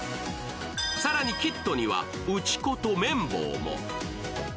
更にキットには打ち粉とめん棒も。